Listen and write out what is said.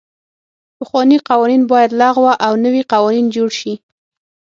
پخواني قوانین باید لغوه او نوي قوانین جوړ سي.